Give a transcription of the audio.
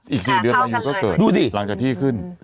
อีก๔เดือนมายูก็เกิดดูดิหลังจากที่ขึ้น